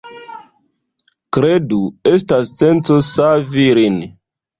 Kredu, estas senco savi lin.